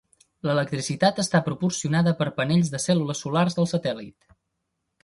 L'electricitat està proporcionada per panells de cèl·lules solars del satèl·lit.